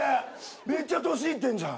めっちゃ年いってんじゃん。